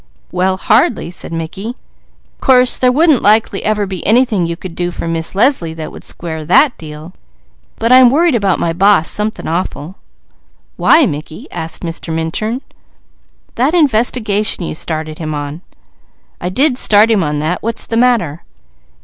"Well hardly," said Mickey. "Course there wouldn't likely ever be anything you could do for Miss Leslie that would square that deal; but I'm worried about my boss something awful." "Why Mickey?" asked Mr. Minturn. "That investigation you started him on." "I did start him on that. What's the matter?"